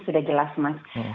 itu sudah jelas mas